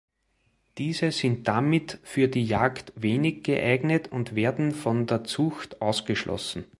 Diese sind damit für die Jagd wenig geeignet und werden von der Zucht ausgeschlossen.